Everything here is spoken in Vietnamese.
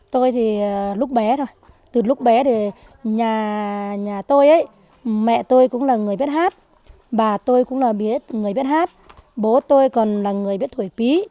tôi thì lúc bé rồi từ lúc bé thì nhà tôi ấy mẹ tôi cũng là người biết hát bà tôi cũng là biết người biết hát bố tôi còn là người biết thổi pí